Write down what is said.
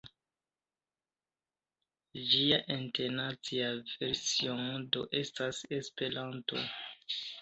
Ĝia internacia versio do estas Esperanto.